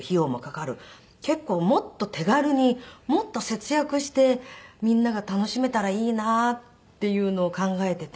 結構もっと手軽にもっと節約してみんなが楽しめたらいいなっていうのを考えていて。